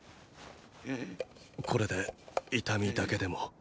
これで痛みだけでも。